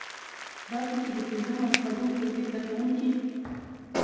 داسې چې د پنځم او شپږم ټولګي زده کوونکی